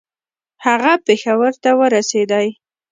هغه پېښور ته ورسېدی.